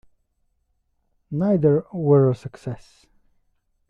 Neither were a success.